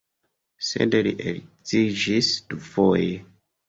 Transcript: Sed li edziĝis dufoje.